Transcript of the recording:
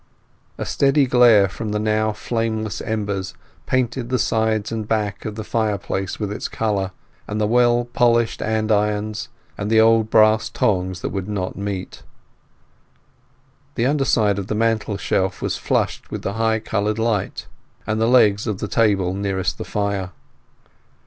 A steady glare from the now flameless embers painted the sides and back of the fireplace with its colour, and the well polished andirons, and the old brass tongs that would not meet. The underside of the mantel shelf was flushed with the high coloured light, and the legs of the table nearest the fire.